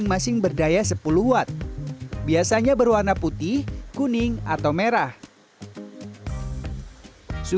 kita bisa memprediksi